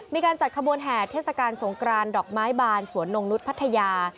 มีการจัดขบวนแห่เทศกาลสงกรานดอกไม้บานสวนนงนุษย์พัทยา